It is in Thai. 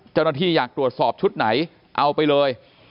เจ้าหน้าที่อยากตรวจสอบชุดไหนเอาไปเลย